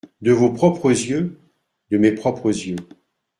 —De vos propres yeux ? —De mes propres yeux.